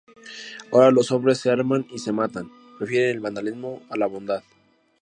Ahora los hombres se arman y se matan, prefieren el vandalismo a la bondad.